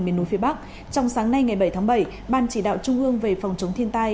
miền núi phía bắc trong sáng nay ngày bảy tháng bảy ban chỉ đạo trung ương về phòng chống thiên tai